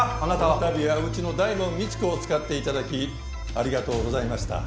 この度はうちの大門未知子を使って頂きありがとうございました。